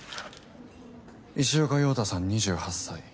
石岡遥太さん２８歳。